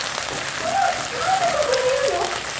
すごい！何でここにいるの？